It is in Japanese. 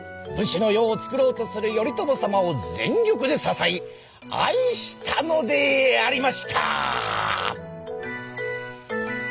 武士の世を作ろうとする頼朝様を全力で支え愛したのでありました！」。